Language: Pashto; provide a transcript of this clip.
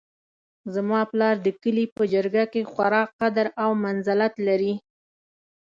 زما پلار د کلي په جرګه کې خورا قدر او منزلت لري